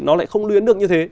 nó lại không luyến được như thế